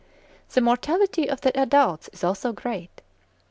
The mortality of the adults is also great.